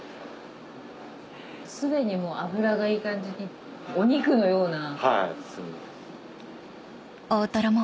すでに脂がいい感じにお肉のような。